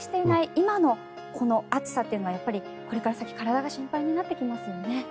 今のこの暑さというのはこの先体が心配になってきますよね。